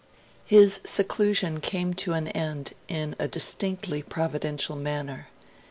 His seclusion came to an end in a distinctly providential manner.